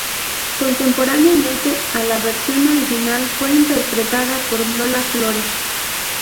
Contemporáneamente a la versión original fue interpretada por Lola Flores.